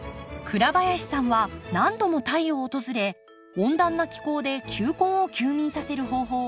倉林さんは何度もタイを訪れ温暖な気候で球根を休眠させる方法を４年かけて研究。